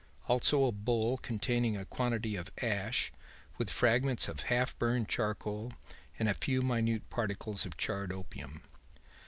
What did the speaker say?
Also a bowl containing a quantity of ash with fragments of half burned charcoal and a few minute particles of charred opium.